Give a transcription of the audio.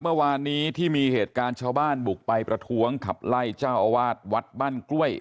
เมื่อวานนี้ที่มีเหตุการณ์ชาวบ้านบุกไปประท้วงขับไล่เจ้าอาวาสวัดบ้านกล้วย